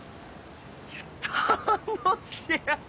楽しい！